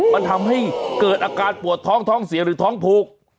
มันทำให้เกิดอาการปวดท้องท้องเสียหรือท้องผูก